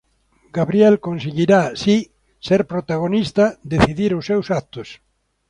Gabriel conseguirá, si, ser protagonista, decidir os seus actos.